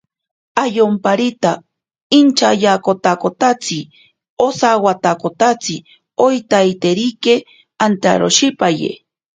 Ayomparita inchatyaakotakotsi osawatakotsi oitaiterike antaroshipaye.